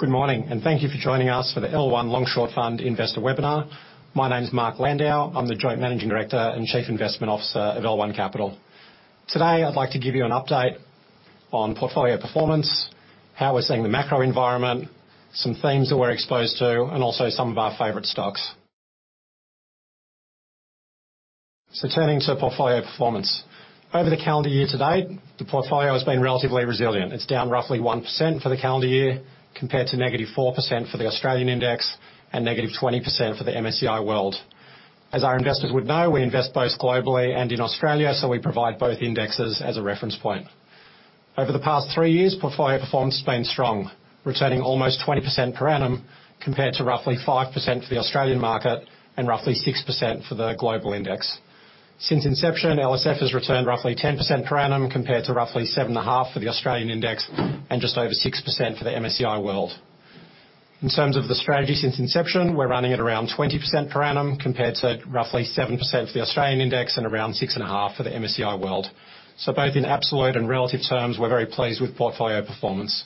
Good morning, and thank you for joining us for the L1 Long Short Fund Investor Webinar. My name's Mark Landau. I'm the Joint Managing Director and Chief Investment Officer of L1 Capital. Today, I'd like to give you an update on portfolio performance, how we're seeing the macro environment, some themes that we're exposed to, and also some of our favorite stocks. Turning to portfolio performance. Over the calendar year to date, the portfolio has been relatively resilient. It's down roughly 1% for the calendar year compared to -4% for the Australian index and -20% for the MSCI World. As our investors would know, we invest both globally and in Australia, so we provide both indexes as a reference point. Over the past three years, portfolio performance has been strong, returning almost 20% per annum compared to roughly 5% for the Australian market and roughly 6% for the global index. Since inception, LSF has returned roughly 10% per annum compared to roughly 7.5% for the Australian index and just over 6% for the MSCI World. In terms of the strategy since inception, we're running at around 20% per annum compared to roughly 7% for the Australian index and around 6.5% for the MSCI World. Both in absolute and relative terms, we're very pleased with portfolio performance.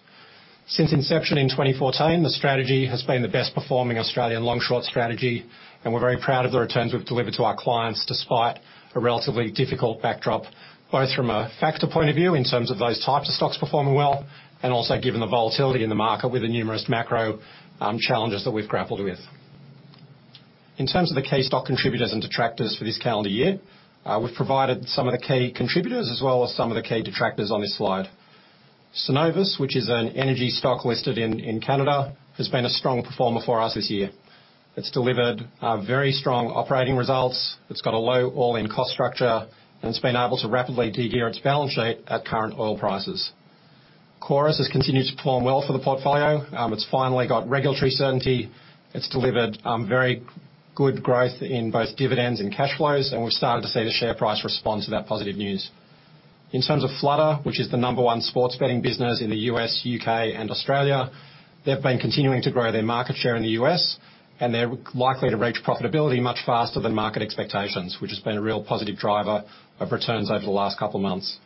Since inception in 2014, the strategy has been the best-performing Australian long short strategy, and we're very proud of the returns we've delivered to our clients despite a relatively difficult backdrop, both from a factor point of view in terms of those types of stocks performing well, and also given the volatility in the market with the numerous macro challenges that we've grappled with. In terms of the key stock contributors and detractors for this calendar year, we've provided some of the key contributors as well as some of the key detractors on this slide. Cenovus, which is an energy stock listed in Canada, has been a strong performer for us this year. It's delivered very strong operating results. It's got a low all-in cost structure, and it's been able to rapidly de-gear its balance sheet at current oil prices. Chorus has continued to perform well for the portfolio. It's finally got regulatory certainty. It's delivered very good growth in both dividends and cash flows, and we've started to see the share price respond to that positive news. In terms of Flutter, which is the number one sports betting business in the U.S., U.K., and Australia, they've been continuing to grow their market share in the US, and they're likely to reach profitability much faster than market expectations, which has been a real positive driver of returns over the last couple of months.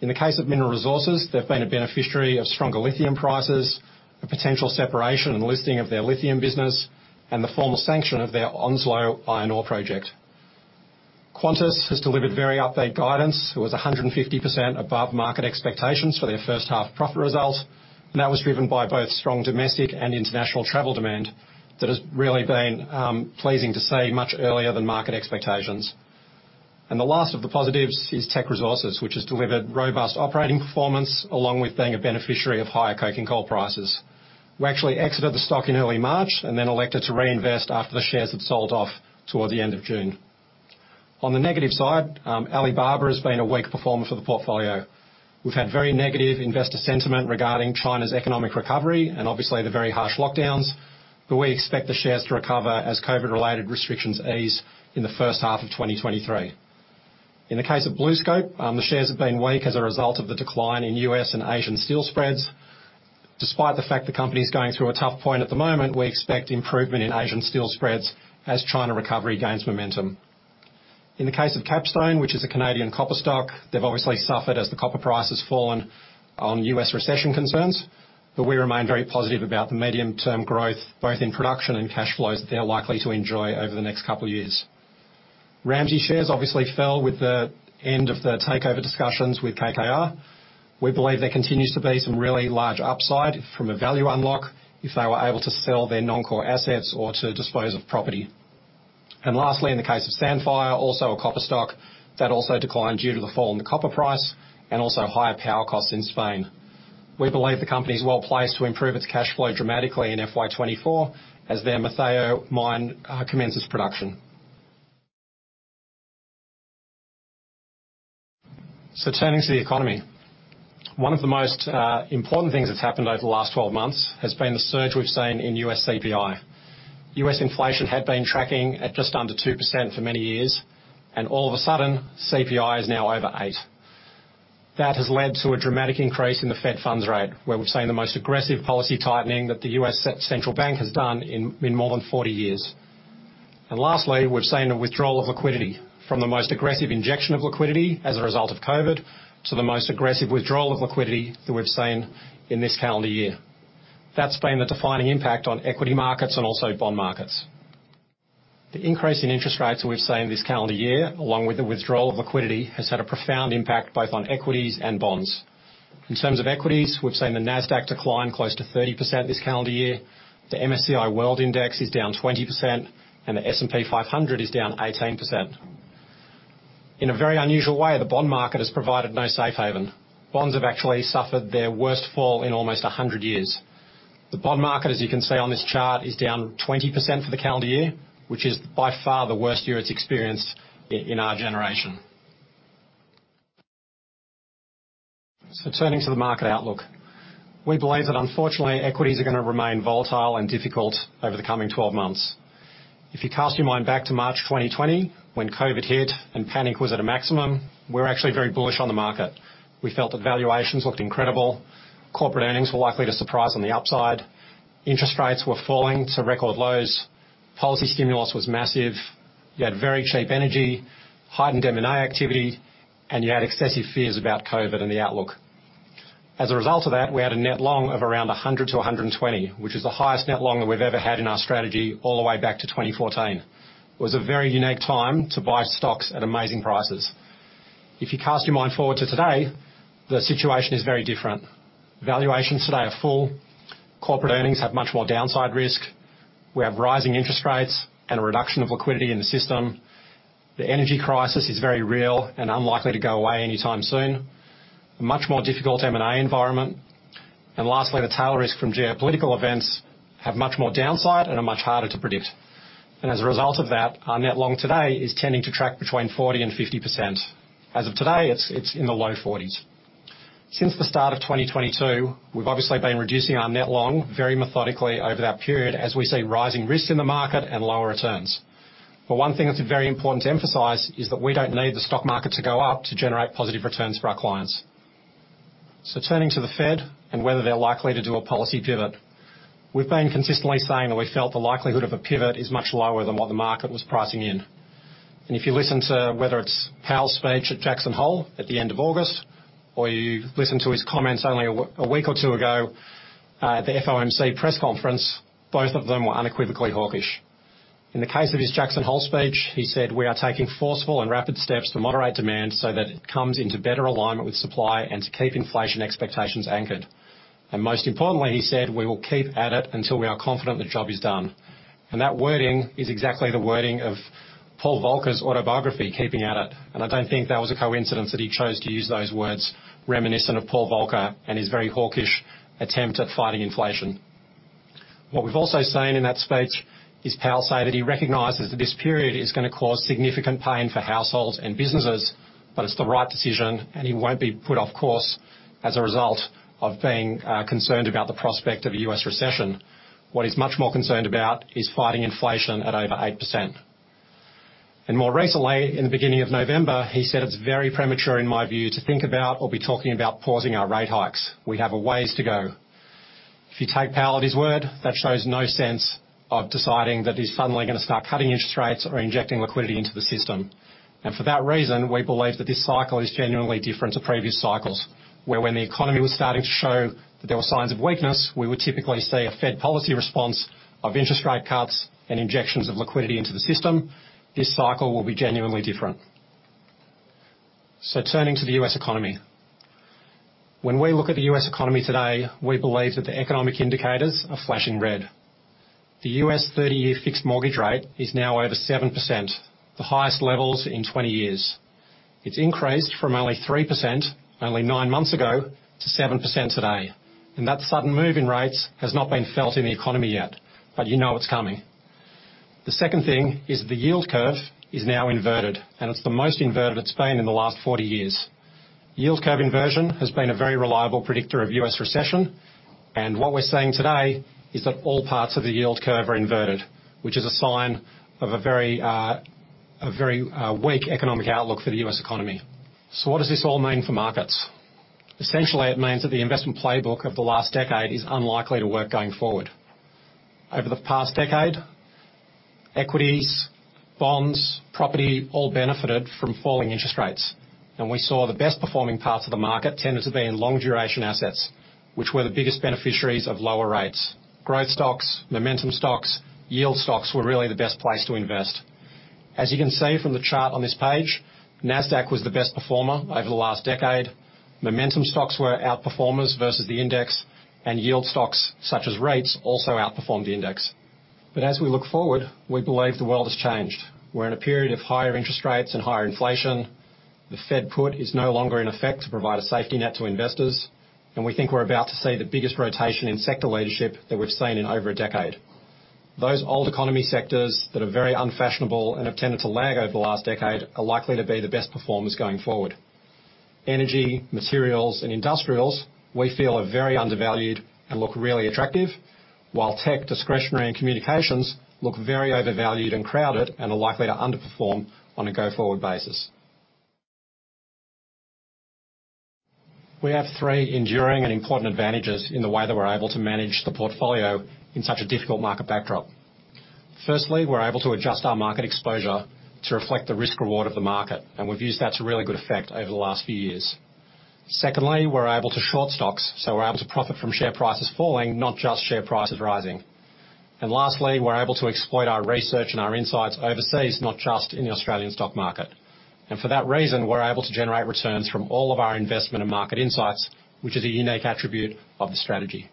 In the case of Mineral Resources, they've been a beneficiary of stronger lithium prices, a potential separation and listing of their lithium business, and the formal sanction of their Onslow iron ore project. Qantas has delivered very upbeat guidance. It was 150% above market expectations for their first half profit result, and that was driven by both strong domestic and international travel demand that has really been pleasing to see much earlier than market expectations. The last of the positives is Teck Resources, which has delivered robust operating performance along with being a beneficiary of higher coking coal prices. We actually exited the stock in early March and then elected to reinvest after the shares had sold off toward the end of June. On the negative side, Alibaba has been a weak performer for the portfolio. We've had very negative investor sentiment regarding China's economic recovery and obviously the very harsh lockdowns, but we expect the shares to recover as COVID-related restrictions ease in the first half of 2023. In the case of BlueScope, the shares have been weak as a result of the decline in U.S. and Asian steel spreads. Despite the fact the company is going through a tough point at the moment, we expect improvement in Asian steel spreads as China recovery gains momentum. In the case of Capstone, which is a Canadian copper stock, they've obviously suffered as the copper price has fallen on U.S. recession concerns, but we remain very positive about the medium-term growth, both in production and cash flows they are likely to enjoy over the next couple of years. Ramsay shares obviously fell with the end of the takeover discussions with KKR. We believe there continues to be some really large upside from a value unlock if they were able to sell their non-core assets or to dispose of property. Lastly, in the case of Sandfire, also a copper stock, that also declined due to the fall in the copper price and also higher power costs in Spain. We believe the company is well-placed to improve its cash flow dramatically in FY 2024 as their Motheo mine commences production. Turning to the economy. One of the most important things that's happened over the last 12 months has been the surge we've seen in U.S. CPI. U.S. inflation had been tracking at just under 2% for many years, and all of a sudden, CPI is now over 8%. That has led to a dramatic increase in the Fed funds rate, where we've seen the most aggressive policy tightening that the U.S. central bank has done in more than 40 years. Lastly, we've seen a withdrawal of liquidity from the most aggressive injection of liquidity as a result of COVID to the most aggressive withdrawal of liquidity that we've seen in this calendar year. That's been the defining impact on equity markets and also bond markets. The increase in interest rates we've seen this calendar year, along with the withdrawal of liquidity, has had a profound impact both on equities and bonds. In terms of equities, we've seen the Nasdaq decline close to 30% this calendar year, the MSCI World Index is down 20%, and the S&P 500 is down 18%. In a very unusual way, the bond market has provided no safe haven. Bonds have actually suffered their worst fall in almost 100 years. The bond market, as you can see on this chart, is down 20% for the calendar year, which is by far the worst year it's experienced in our generation. Turning to the market outlook. We believe that unfortunately, equities are gonna remain volatile and difficult over the coming 12 months. If you cast your mind back to March 2020 when COVID hit and panic was at a maximum, we're actually very bullish on the market. We felt that valuations looked incredible. Corporate earnings were likely to surprise on the upside. Interest rates were falling to record lows. Policy stimulus was massive. You had very cheap energy, heightened M&A activity, and you had excessive fears about COVID and the outlook. As a result of that, we had a net long of around 100-120, which is the highest net long that we've ever had in our strategy all the way back to 2014. It was a very unique time to buy stocks at amazing prices. If you cast your mind forward to today, the situation is very different. Valuations today are full. Corporate earnings have much more downside risk. We have rising interest rates and a reduction of liquidity in the system. The energy crisis is very real and unlikely to go away anytime soon. A much more difficult M&A environment. Lastly, the tail risk from geopolitical events have much more downside and are much harder to predict. As a result of that, our net long today is tending to track between 40% and 50%. As of today, it's in the low 40s. Since the start of 2022, we've obviously been reducing our net long very methodically over that period as we see rising risks in the market and lower returns. But one thing that's very important to emphasize is that we don't need the stock market to go up to generate positive returns for our clients. So turning to the Fed and whether they're likely to do a policy pivot, we've been consistently saying that we felt the likelihood of a pivot is much lower than what the market was pricing in. If you listen to whether it's Powell's speech at Jackson Hole at the end of August, or you listen to his comments only a week or two ago, at the FOMC press conference, both of them were unequivocally hawkish. In the case of his Jackson Hole speech, he said, "We are taking forceful and rapid steps to moderate demand so that it comes into better alignment with supply and to keep inflation expectations anchored." Most importantly, he said, "We will keep at it until we are confident the job is done." That wording is exactly the wording of Paul Volcker's autobiography, Keeping at It, and I don't think that was a coincidence that he chose to use those words reminiscent of Paul Volcker and his very hawkish attempt at fighting inflation. What we've also seen in that speech is Powell say that he recognizes that this period is gonna cause significant pain for households and businesses, but it's the right decision and he won't be put off course as a result of being concerned about the prospect of a U.S. recession. What he's much more concerned about is fighting inflation at over 8%. More recently, in the beginning of November, he said, "It's very premature in my view to think about or be talking about pausing our rate hikes. We have a ways to go." If you take Powell at his word, that shows no sense of deciding that he's suddenly gonna start cutting interest rates or injecting liquidity into the system. For that reason, we believe that this cycle is genuinely different to previous cycles, where when the economy was starting to show that there were signs of weakness, we would typically see a Fed policy response of interest rate cuts and injections of liquidity into the system. This cycle will be genuinely different. Turning to the U.S. economy. When we look at the U.S. economy today, we believe that the economic indicators are flashing red. The U.S. 30-year fixed mortgage rate is now over 7%, the highest levels in 20 years. It's increased from only 3% only nine months ago to 7% today, and that sudden move in rates has not been felt in the economy yet, but you know it's coming. The second thing is the yield curve is now inverted, and it's the most inverted it's been in the last 40 years. Yield curve inversion has been a very reliable predictor of U.S. recession, and what we're seeing today is that all parts of the yield curve are inverted, which is a sign of a very weak economic outlook for the U.S. economy. What does this all mean for markets? Essentially, it means that the investment playbook of the last decade is unlikely to work going forward. Over the past decade, equities, bonds, property all benefited from falling interest rates, and we saw the best-performing parts of the market tended to be in long-duration assets, which were the biggest beneficiaries of lower rates. Growth stocks, momentum stocks, yield stocks were really the best place to invest. As you can see from the chart on this page, Nasdaq was the best performer over the last decade. Momentum stocks were outperformers versus the index, and yield stocks such as rates also outperformed the index. As we look forward, we believe the world has changed. We're in a period of higher interest rates and higher inflation. The Fed put is no longer in effect to provide a safety net to investors, and we think we're about to see the biggest rotation in sector leadership that we've seen in over a decade. Those old economy sectors that are very unfashionable and have tended to lag over the last decade are likely to be the best performers going forward. Energy, materials, and industrials we feel are very undervalued and look really attractive, while tech, discretionary, and communications look very overvalued and crowded and are likely to underperform on a go-forward basis. We have three enduring and important advantages in the way that we're able to manage the portfolio in such a difficult market backdrop. Firstly, we're able to adjust our market exposure to reflect the risk-reward of the market, and we've used that to really good effect over the last few years. Secondly, we're able to short stocks, so we're able to profit from share prices falling, not just share prices rising. Lastly, we're able to exploit our research and our insights overseas, not just in the Australian stock market. For that reason, we're able to generate returns from all of our investment and market insights, which is a unique attribute of the strategy.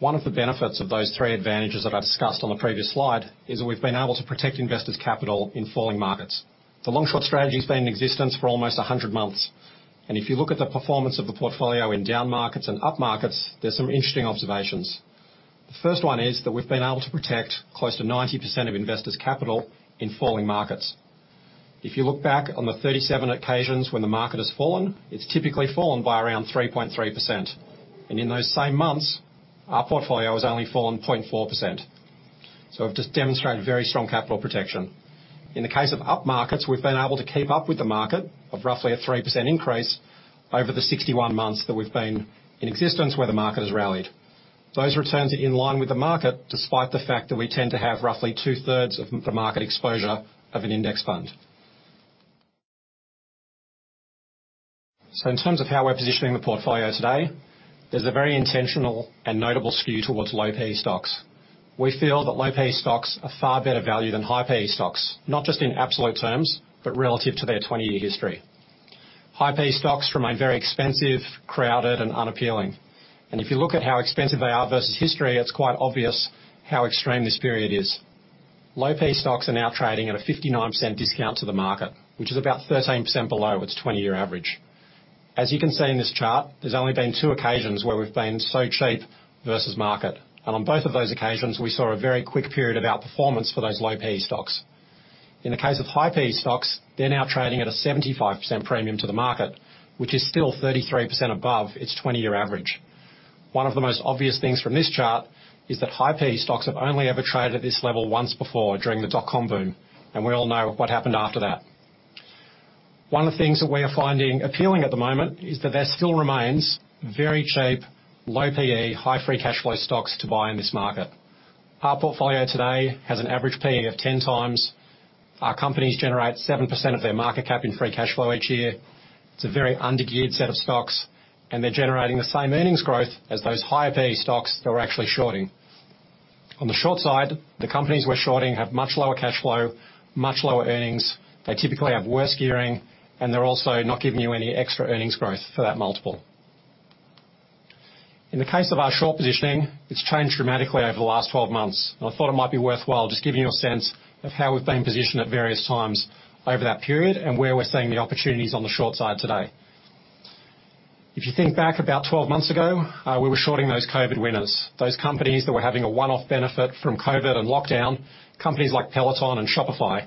One of the benefits of those three advantages that I've discussed on the previous slide is that we've been able to protect investors' capital in falling markets. The long-short strategy's been in existence for almost 100 months, and if you look at the performance of the portfolio in down markets and up markets, there's some interesting observations. The first one is that we've been able to protect close to 90% of investors' capital in falling markets. If you look back on the 37 occasions when the market has fallen, it's typically fallen by around 3.3%. In those same months, our portfolio has only fallen 0.4%. I've just demonstrated very strong capital protection. In the case of up markets, we've been able to keep up with the market of roughly a 3% increase over the 61 months that we've been in existence where the market has rallied. Those returns are in line with the market, despite the fact that we tend to have roughly two-thirds of the market exposure of an index fund. In terms of how we're positioning the portfolio today, there's a very intentional and notable skew towards low PE stocks. We feel that low PE stocks are far better value than high PE stocks, not just in absolute terms, but relative to their 20-year history. High PE stocks remain very expensive, crowded, and unappealing. If you look at how expensive they are versus history, it's quite obvious how extreme this period is. Low PE stocks are now trading at a 59% discount to the market, which is about 13% below its 20-year average. As you can see in this chart, there's only been two occasions where we've been so cheap versus market. On both of those occasions, we saw a very quick period of outperformance for those low PE stocks. In the case of high PE stocks, they're now trading at a 75% premium to the market, which is still thirty-three above its 20-year average. One of the most obvious things from this chart is that high PE stocks have only ever traded at this level once before during the dot-com boom, and we all know what happened after that. One of the things that we are finding appealing at the moment is that there still remains very cheap, low PE, high free cash flow stocks to buy in this market. Our portfolio today has an average PE of 10 times. Our companies generate 7% of their market cap in free cash flow each year. It's a very undergeared set of stocks, and they're generating the same earnings growth as those higher PE stocks that we're actually shorting. On the short side, the companies we're shorting have much lower cash flow, much lower earnings. They typically have worse gearing, and they're also not giving you any extra earnings growth for that multiple. In the case of our short positioning, it's changed dramatically over the last 12 months. I thought it might be worthwhile just giving you a sense of how we've been positioned at various times over that period and where we're seeing the opportunities on the short side today. If you think back about 12 months ago, we were shorting those COVID winners, those companies that were having a one-off benefit from COVID and lockdown. Companies like Peloton and Shopify.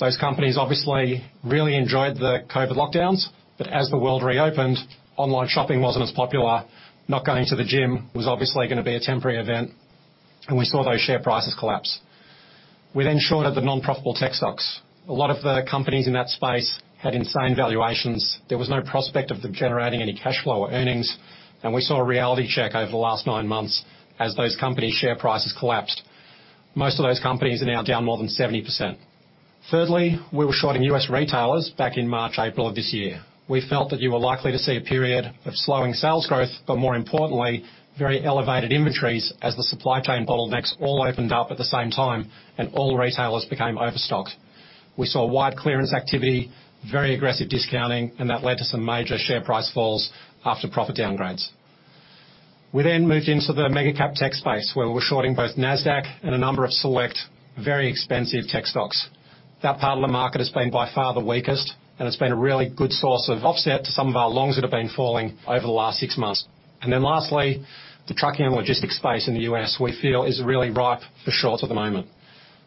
Those companies obviously really enjoyed the COVID lockdowns. As the world reopened, online shopping wasn't as popular. Not going to the gym was obviously gonna be a temporary event. We saw those share prices collapse. We then shorted the non-profitable tech stocks. A lot of the companies in that space had insane valuations. There was no prospect of them generating any cash flow or earnings, and we saw a reality check over the last 9 months as those companies' share prices collapsed. Most of those companies are now down more than 70%. Thirdly, we were shorting U.S. retailers back in March, April of this year. We felt that you were likely to see a period of slowing sales growth, but more importantly, very elevated inventories as the supply chain bottlenecks all opened up at the same time and all retailers became overstocked. We saw wide clearance activity, very aggressive discounting, and that led to some major share price falls after profit downgrades. We then moved into the mega cap tech space, where we're shorting both Nasdaq and a number of select very expensive tech stocks. That part of the market has been by far the weakest, and it's been a really good source of offset to some of our longs that have been falling over the last six months. Then lastly, the trucking and logistics space in the U.S. we feel is really ripe for shorts at the moment.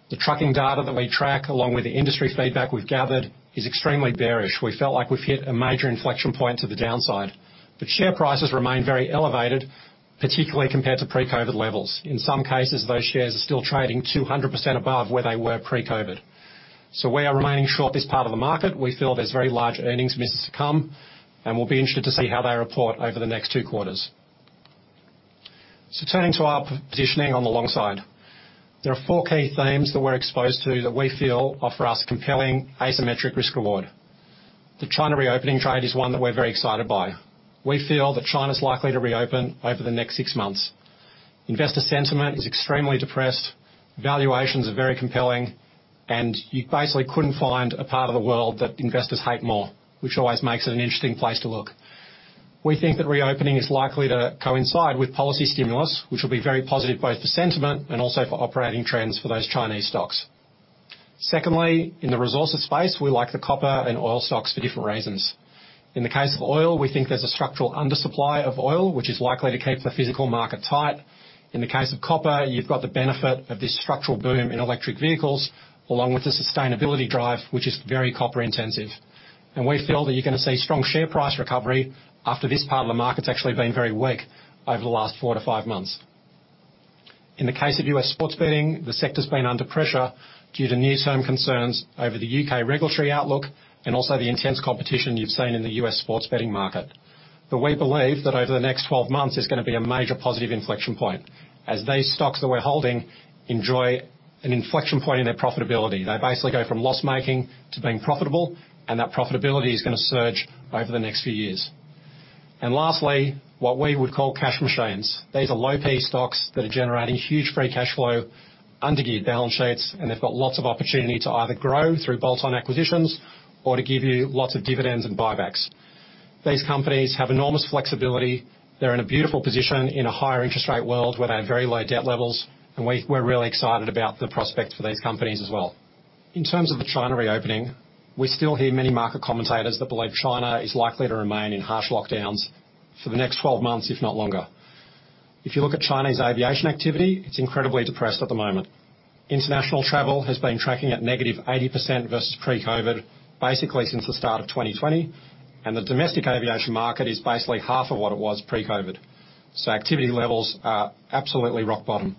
The trucking data that we track, along with the industry feedback we've gathered is extremely bearish. We felt like we've hit a major inflection point to the downside, but share prices remain very elevated, particularly compared to pre-COVID levels. In some cases, those shares are still trading 200% above where they were pre-COVID. We are remaining short this part of the market. We feel there's very large earnings misses to come, and we'll be interested to see how they report over the next two quarters. Turning to our portfolio positioning on the long side. There are four key themes that we're exposed to that we feel offer us compelling asymmetric risk reward. The China reopening trade is one that we're very excited by. We feel that China's likely to reopen over the next six months. Investor sentiment is extremely depressed, valuations are very compelling, and you basically couldn't find a part of the world that investors hate more, which always makes it an interesting place to look. We think that reopening is likely to coincide with policy stimulus, which will be very positive both for sentiment and also for operating trends for those Chinese stocks. Secondly, in the resources space, we like the copper and oil stocks for different reasons. In the case of oil, we think there's a structural undersupply of oil, which is likely to keep the physical market tight. In the case of copper, you've got the benefit of this structural boom in electric vehicles, along with the sustainability drive, which is very copper intensive. We feel that you're gonna see strong share price recovery after this part of the market's actually been very weak over the last 4-5 months. In the case of U.S. sports betting, the sector's been under pressure due to near-term concerns over the U.K. regulatory outlook and also the intense competition you've seen in the U.S. sports betting market. We believe that over the next 12 months, there's gonna be a major positive inflection point as these stocks that we're holding enjoy an inflection point in their profitability. They basically go from loss-making to being profitable, and that profitability is gonna surge over the next few years. Lastly, what we would call cash machines. These are low PE stocks that are generating huge free cash flow, undergeared balance sheets, and they've got lots of opportunity to either grow through bolt-on acquisitions or to give you lots of dividends and buybacks. These companies have enormous flexibility. They're in a beautiful position in a higher interest rate world where they have very low debt levels, and we're really excited about the prospects for these companies as well. In terms of the China reopening, we still hear many market commentators that believe China is likely to remain in harsh lockdowns for the next 12 months, if not longer. If you look at China's aviation activity, it's incredibly depressed at the moment. International travel has been tracking at negative 80% versus pre-COVID, basically since the start of 2020. The domestic aviation market is basically half of what it was pre-COVID. Activity levels are absolutely rock bottom.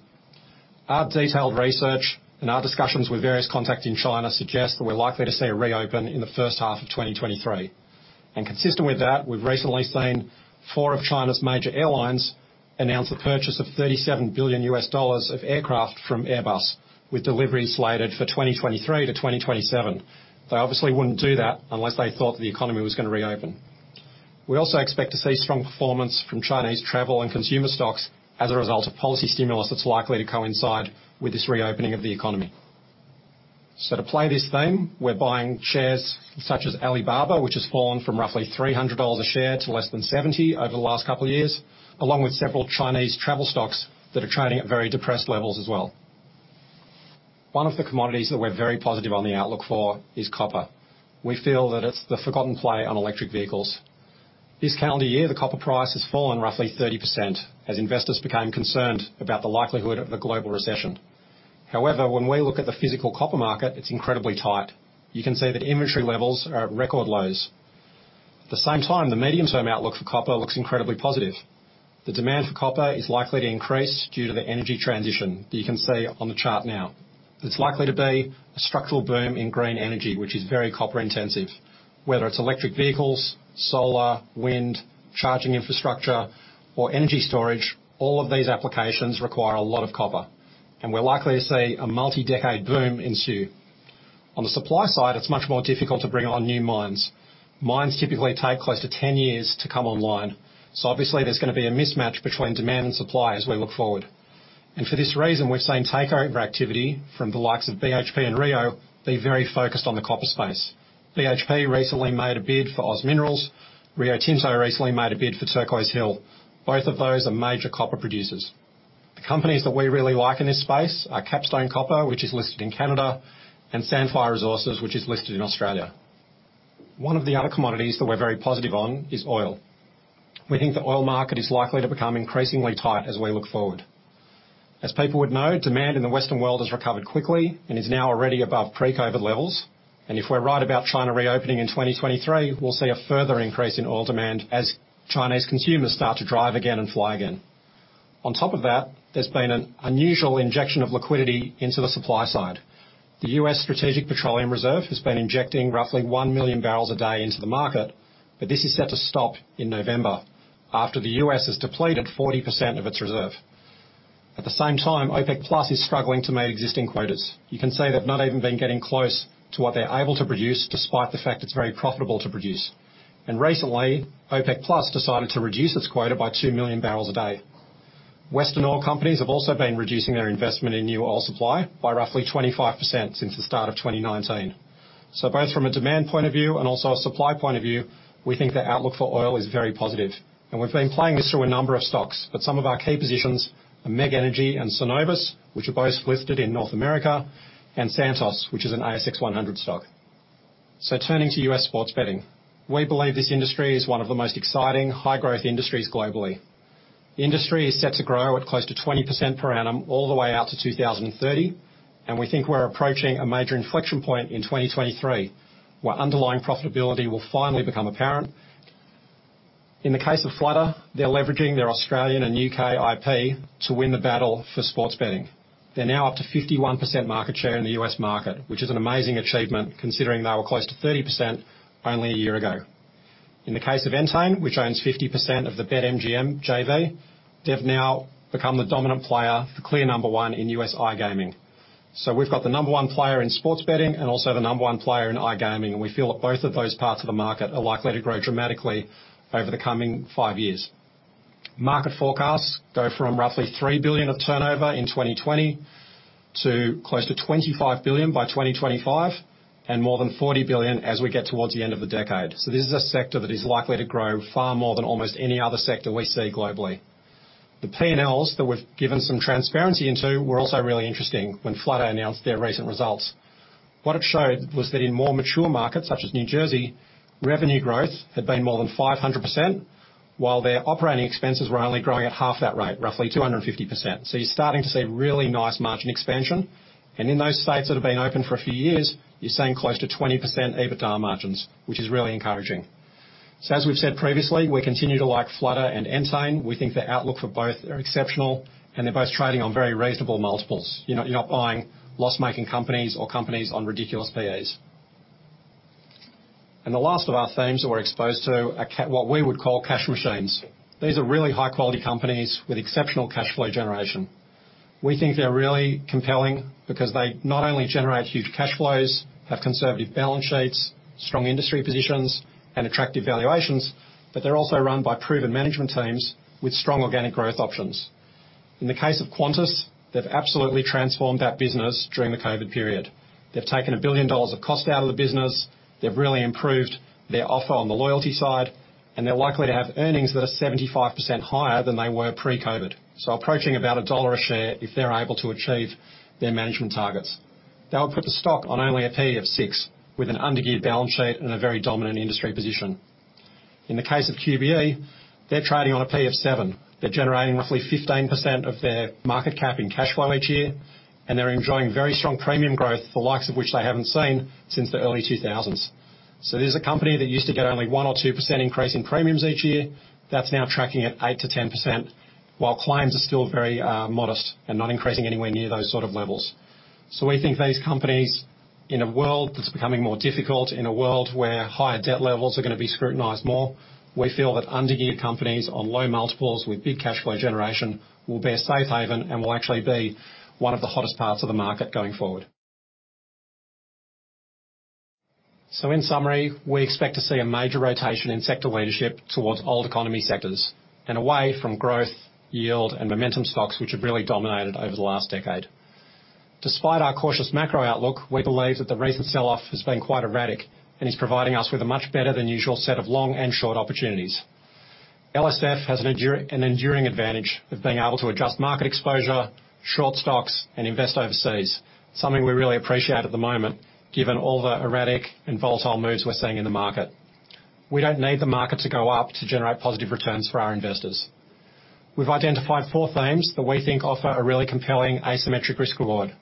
Our detailed research and our discussions with various contacts in China suggest that we're likely to see a reopen in the first half of 2023. Consistent with that, we've recently seen four of China's major airlines announce a purchase of $37 billion of aircraft from Airbus, with deliveries slated for 2023-2027. They obviously wouldn't do that unless they thought the economy was gonna reopen. We also expect to see strong performance from Chinese travel and consumer stocks as a result of policy stimulus that's likely to coincide with this reopening of the economy. To play this theme, we're buying shares such as Alibaba, which has fallen from roughly $300 a share to less than $70 over the last couple years, along with several Chinese travel stocks that are trading at very depressed levels as well. One of the commodities that we're very positive on the outlook for is copper. We feel that it's the forgotten play on electric vehicles. This calendar year, the copper price has fallen roughly 30% as investors became concerned about the likelihood of a global recession. However, when we look at the physical copper market, it's incredibly tight. You can see that inventory levels are at record lows. At the same time, the medium-term outlook for copper looks incredibly positive. The demand for copper is likely to increase due to the energy transition that you can see on the chart now. It's likely to be a structural boom in green energy, which is very copper-intensive. Whether it's electric vehicles, solar, wind, charging infrastructure, or energy storage, all of these applications require a lot of copper, and we're likely to see a multi-decade boom ensue. On the supply side, it's much more difficult to bring on new mines. Mines typically take close to 10 years to come online, so obviously there's gonna be a mismatch between demand and supply as we look forward. For this reason, we've seen takeover activity from the likes of BHP and Rio be very focused on the copper space. BHP recently made a bid for OZ Minerals. Rio Tinto recently made a bid for Turquoise Hill. Both of those are major copper producers. The companies that we really like in this space are Capstone Copper, which is listed in Canada, and Sandfire Resources, which is listed in Australia. One of the other commodities that we're very positive on is oil. We think the oil market is likely to become increasingly tight as we look forward. As people would know, demand in the Western world has recovered quickly and is now already above pre-COVID levels. If we're right about China reopening in 2023, we'll see a further increase in oil demand as Chinese consumers start to drive again and fly again. On top of that, there's been an unusual injection of liquidity into the supply side. The U.S. Strategic Petroleum Reserve has been injecting roughly 1 million barrels a day into the market, but this is set to stop in November after the U.S. has depleted 40% of its reserve. At the same time, OPEC+ is struggling to meet existing quotas. You can see they've not even been getting close to what they're able to produce, despite the fact it's very profitable to produce. Recently, OPEC+ decided to reduce its quota by 2 million barrels a day. Western oil companies have also been reducing their investment in new oil supply by roughly 25% since the start of 2019. Both from a demand point of view and also a supply point of view, we think the outlook for oil is very positive, and we've been playing this through a number of stocks, but some of our key positions are MEG Energy and Cenovus, which are both listed in North America, and Santos, which is an ASX 100 stock. Turning to U.S. sports betting. We believe this industry is one of the most exciting high-growth industries globally. The industry is set to grow at close to 20% per annum all the way out to 2030, and we think we're approaching a major inflection point in 2023, where underlying profitability will finally become apparent. In the case of Flutter, they're leveraging their Australian and U.K. IP to win the battle for sports betting. They're now up to 51% market share in the U.S. market, which is an amazing achievement considering they were close to 30% only a year ago. In the case of Entain, which owns 50% of the BetMGM JV, they've now become the dominant player, the clear number one in U.S. iGaming. We've got the number one player in sports betting and also the number one player in iGaming, and we feel that both of those parts of the market are likely to grow dramatically over the coming five years. Market forecasts go from roughly 3 billion of turnover in 2020 to close to 25 billion by 2025 and more than 40 billion as we get towards the end of the decade. This is a sector that is likely to grow far more than almost any other sector we see globally. The P&Ls that we've given some transparency into were also really interesting when Flutter announced their recent results. What it showed was that in more mature markets, such as New Jersey, revenue growth had been more than 500%, while their operating expenses were only growing at half that rate, roughly 250%. You're starting to see really nice margin expansion. In those states that have been open for a few years, you're seeing close to 20% EBITDA margins, which is really encouraging. As we've said previously, we continue to like Flutter and Entain. We think the outlook for both are exceptional, and they're both trading on very reasonable multiples. You're not buying loss-making companies or companies on ridiculous PEs. The last of our themes that we're exposed to are what we would call cash machines. These are really high-quality companies with exceptional cash flow generation. We think they're really compelling because they not only generate huge cash flows, have conservative balance sheets, strong industry positions, and attractive valuations, but they're also run by proven management teams with strong organic growth options. In the case of Qantas, they've absolutely transformed that business during the COVID period. They've taken 1 billion dollars of cost out of the business, they've really improved their offer on the loyalty side, and they're likely to have earnings that are 75% higher than they were pre-COVID, so approaching about AUD 1 a share if they're able to achieve their management targets. That would put the stock on only a P/E of six with an under-geared balance sheet and a very dominant industry position. In the case of QBE, they're trading on a P/E of 7. They're generating roughly 15% of their market cap in cash flow each year, and they're enjoying very strong premium growth, the likes of which they haven't seen since the early 2000s. This is a company that used to get only 1% or 2% increase in premiums each year. That's now tracking at 8%-10%, while claims are still very modest and not increasing anywhere near those sort of levels. We think these companies, in a world that's becoming more difficult, in a world where higher debt levels are gonna be scrutinized more, we feel that under-geared companies on low multiples with big cash flow generation will be a safe haven and will actually be one of the hottest parts of the market going forward. In summary, we expect to see a major rotation in sector leadership towards old economy sectors and away from growth, yield, and momentum stocks, which have really dominated over the last decade. Despite our cautious macro outlook, we believe that the recent sell-off has been quite erratic and is providing us with a much better than usual set of long and short opportunities. LSF has an enduring advantage of being able to adjust market exposure, short stocks, and invest overseas, something we really appreciate at the moment, given all the erratic and volatile moves we're seeing in the market. We don't need the market to go up to generate positive returns for our investors. We've identified four themes that we think offer a really compelling asymmetric risk reward,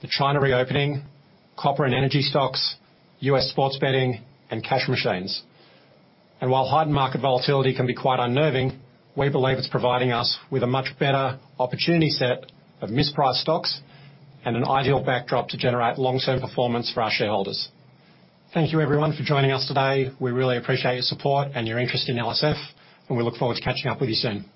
the China reopening, copper and energy stocks, US sports betting, and cash machines. While heightened market volatility can be quite unnerving, we believe it's providing us with a much better opportunity set of mispriced stocks and an ideal backdrop to generate long-term performance for our shareholders. Thank you, everyone, for joining us today. We really appreciate your support and your interest in LSF, and we look forward to catching up with you soon.